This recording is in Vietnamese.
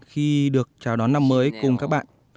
khi được chào đón năm mới cùng các bạn